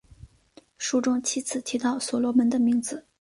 书中七次提到所罗门的名字。